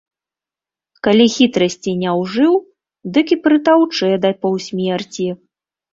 Калі хітрасці не ўжыў, дык і прытаўчэ да паўсмерці.